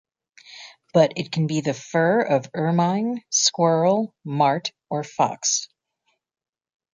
But it can be the fur of ermine, squirrel, mart or fox.